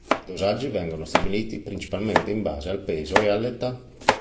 I dosaggi vengono stabiliti principalmente in base al peso e all'età.